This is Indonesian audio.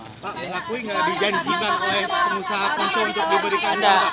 pak melakui enggak dijanjikan oleh pengusaha ponsel untuk diberikan